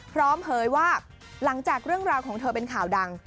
เผยว่าหลังจากเรื่องราวของเธอเป็นข่าวดัง